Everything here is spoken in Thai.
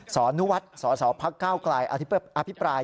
สอนุวัฒน์สอสอภักดิ์๙กลายอภิปราย